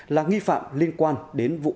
là nghi phạm liên quan đến vụ án